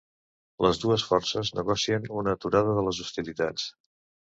Les dues forces negocien una aturada de les hostilitats